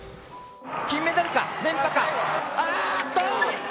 金メダルか連覇か？